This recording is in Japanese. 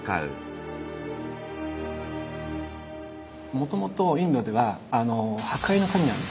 もともとインドでは「破壊の神」なんですね。